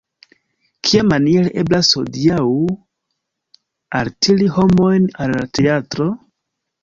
Kiamaniere eblas hodiaŭ altiri homojn al la teatro?